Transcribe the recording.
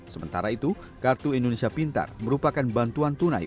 sementara itu kartu indonesia pintar merupakan bantuan tunai